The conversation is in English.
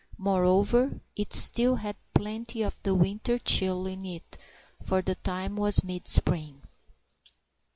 Moreover, it still had plenty of the winter chill in it, for the time was mid spring.